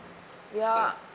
いや。